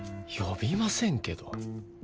呼びませんけど。